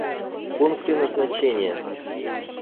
Пункты назначения